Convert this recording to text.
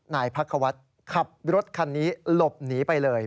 นายพักควัฒน์ขับรถคันนี้หลบหนีไปเลย